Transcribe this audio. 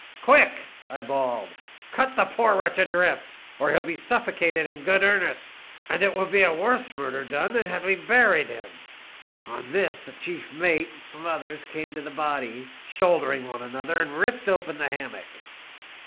"* Quick,' I bawled ;' cut the poor wretch adrift, or he'll be suffocated in good earnest, and it will be a worse murder done than had we buried him.' '' On this the chief mate and some others came to the body, shouldering one another, and ripped open the hammock.